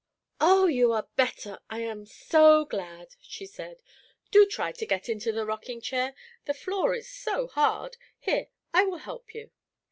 "Oh, you are better; I am so glad," she said, "Do try to get into the rocking chair. The floor is so hard. Here, I will help you."